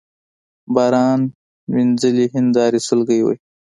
باران مينځلي هينداري سلګۍ وهي